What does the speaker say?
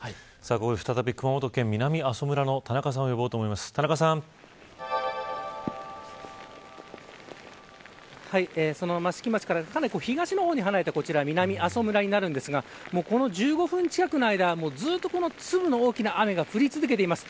ここで再び熊本県南阿蘇村の田中さんをその益城町から東の方に離れた南阿蘇村になるんですがこの１５分近くの間ずっと粒の大きな雨が降り続けています。